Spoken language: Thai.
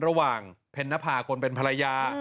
ระหว่างเพ็นนภาคนเป็นภรรยา